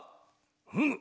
うむ。